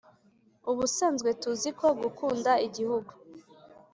ubusanzwe tuziho gukunda igihugu,